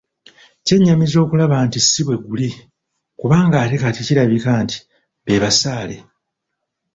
Kyennyamiza okulaba nga si bwe guli, kubanga ate kati kirabika nti be basaale.